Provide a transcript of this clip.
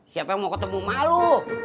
siapa yang mau ketemu emak lo